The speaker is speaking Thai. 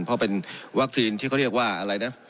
เพราะเป็นวัคซีนที่เขาเรียกว่าอะไรนะ